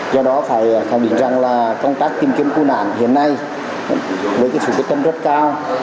do đó phải khẳng định rằng là công tác tìm kiếm cứu nạn hiện nay với sự quyết tâm rất cao